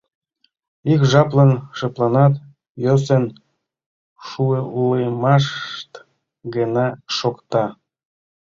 Ик жаплан шыпланат, йӧсын шӱлымышт гына шокта.